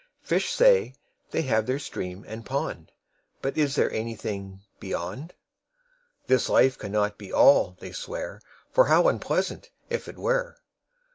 5Fish say, they have their Stream and Pond;6But is there anything Beyond?7This life cannot be All, they swear,8For how unpleasant, if it were!